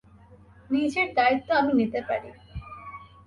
নিজের দায়িত্ব আমি নিতে পারি।